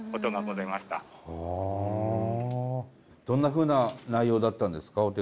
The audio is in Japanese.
どんなふうな内容だったんですか？